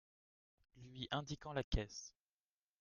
Lui indiquant la caisse.